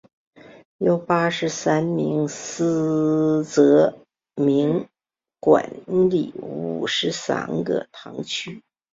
由八十三名司铎名管理五十三个堂区。